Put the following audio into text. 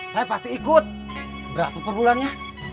saya pasti ikut berapa perbulannya